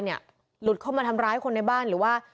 หลุดเข้ามาทำร้ายคนในบ้านหรือว่า